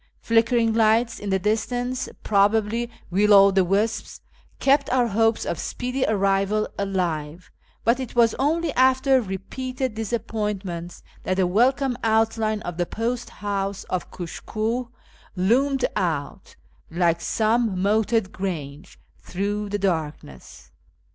Flickering lights in the distance, probably will o' the wisps, kept our hopes of speedy arrival alive ; but it was only after repeated disappointments that the welcome outline of tlie post house of Kushkiih loomed out, like some " moated grange," through the darkness.